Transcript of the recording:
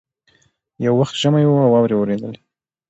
یو وخت ژمی وو او واوري اورېدلې